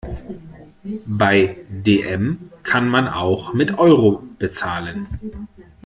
Bei dm kann man auch mit Euro bezahlen.